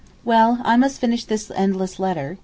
Well, I must finish this endless letter.